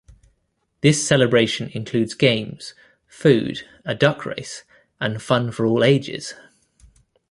This celebration includes games, food, a duck race, and fun for all ages.